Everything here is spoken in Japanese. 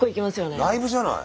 えもうライブじゃない。